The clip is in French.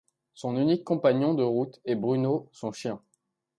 Son unique compagnon de route est Bruno, son chien.